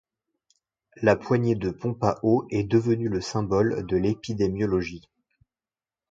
La poignée de pompe à eau est devenue le symbole de l'épidémiologie.